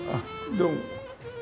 どうも。